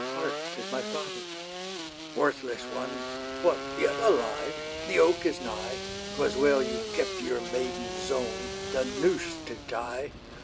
Hark! 'tis my father Worthless one! What, yet alive? the oak is nigh. 'Twas well you kept your maiden zone, The noose to tie.